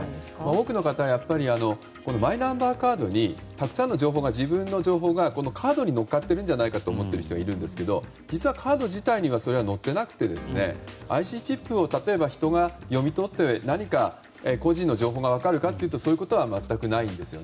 多くの方はマイナンバーカードにたくさんの自分の情報がカードに乗っかっていると思っている人がいるんですけど実はカード自体にはそれは乗っていなくてＩＣチップを例えば人が読み取って、何か個人情報が分かるかというとそういうことは全くないです。